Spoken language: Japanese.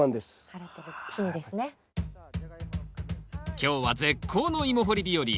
今日は絶好のイモ掘り日和。